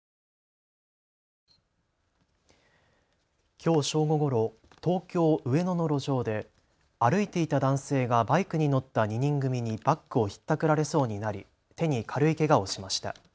きょう正午ごろ、東京上野の路上で歩いていた男性がバイクに乗った２人組にバッグをひったくられそうになり手に軽いけがをしました。